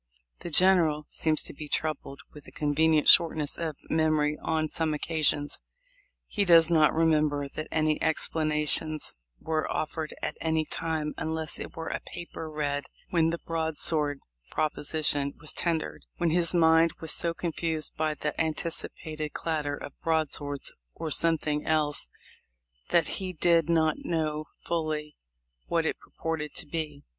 The General seems to be troubled with a convenient shortness of memory on some occasions. He does not remember that any explanations were offered at any time, unless it were a paper read when THE LIFE OF LINCOLN. 259 the "broadsword proposition" was tendered, when his mind was so confused by the anticipated clatter of broadswords, or something else, that he did "not know fully what it purported to be."